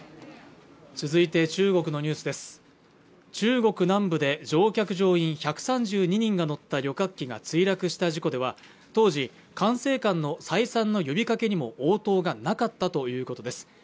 続いて中国のニュースです中国南部で乗客乗員１３２人が乗った旅客機が墜落した事故では当時管制官の再三の呼びかけにも応答がなかったということです